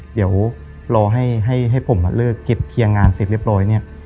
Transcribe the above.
เดี๋ยวรอให้ผมเลิกเก็บเคลียร์งานเสร็จเรียบร้อยเนี่ย